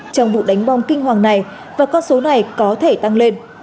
trong vụ đánh bom kinh hoàng này và con số này có thể tăng lên